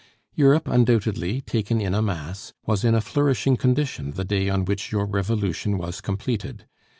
Europe, undoubtedly, taken in a mass, was in a flourishing condition the day on which your revolution was completed.